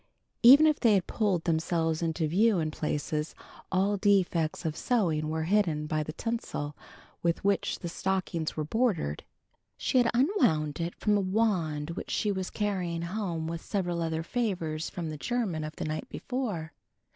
Even if they had pulled themselves into view in places, all defects in sewing were hidden by the tinsel with which the stockings were bordered. She had unwound it from a wand which she was carrying home with several other favors from the german of the night before.